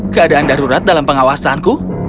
keadaan darurat dalam pengawasanku